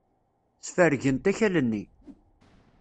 Sfergent akal-nni.